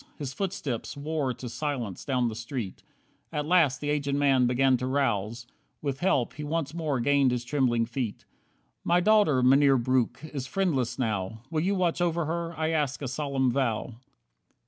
His footsteps wore to silence down the street. At last the aged man began to rouse. With help he once more gained his trembling feet. "My daughter, Mynheer Breuck, is friendless now. Will you watch over her? I ask a solemn vow."